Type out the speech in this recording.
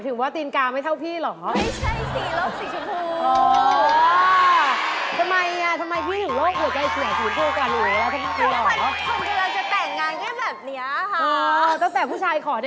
สวัสดีกัน